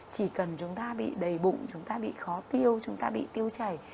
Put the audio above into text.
chỉ cần chúng ta bị đầy bụng chúng ta bị khó tiêu chúng ta bị tiêu chảy